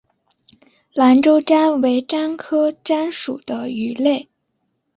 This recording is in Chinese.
兰州鲇为鲇科鲇属的鱼类。